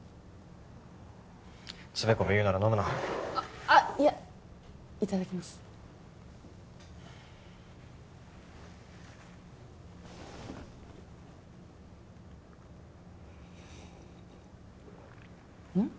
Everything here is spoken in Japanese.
つべこべ言うなら飲むなあっいやいただきますうん？